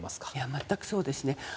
全くそうですね。